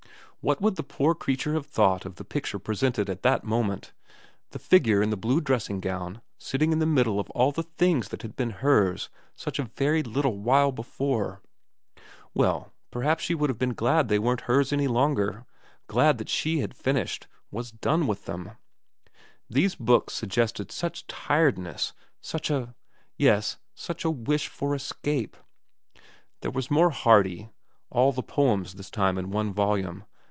What would the poor creature have thought of the picture presented at that moment, the figure in the blue dressing gown, sitting in the middle of all the things that had been hers such a very little while before ? Well, perhaps she would have been glad they weren't hers any longer, glad that she had finished, was done with them. These books suggested such tiredness, such a yes, such a wish for escape. ... There was more Hardy, all the poems this time in one volume.